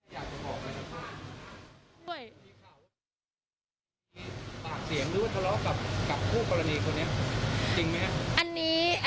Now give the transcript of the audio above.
ภาคเสียงหรือทะเลาะกับคู่กรรณีตัวเนี้ยจริงมั้ย